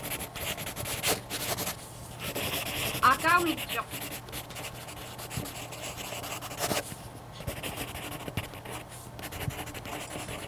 Aakauŋitchuq.